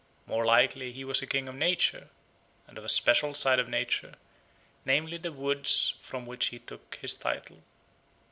More likely he was a king of nature, and of a special side of nature, namely, the woods from which he took his title.